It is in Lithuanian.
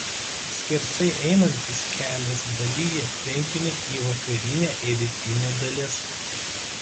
Skersai einantis kelias dalija tvenkinį į vakarinę ir rytinę dalis.